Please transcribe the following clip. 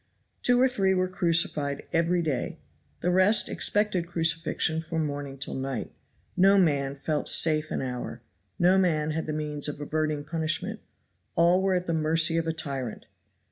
Two or three were crucified every day; the rest expected crucifixion from morning till night. No man felt safe an hour; no man had the means of averting punishment; all were at the mercy of a tyrant.